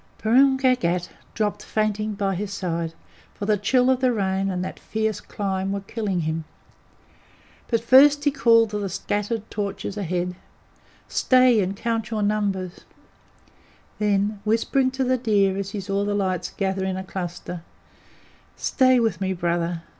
Purun Bhagat dropped fainting by his side, for the chill of the rain and that fierce climb were killing him; but first he called to the scattered torches ahead, "Stay and count your numbers"; then, whispering to the deer as he saw the lights gather in a cluster: "Stay with me, Brother.